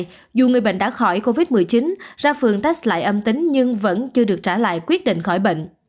nhiều người bệnh đã khỏi covid một mươi chín ra phường test lại âm tính nhưng vẫn chưa được trả lại quyết định khỏi bệnh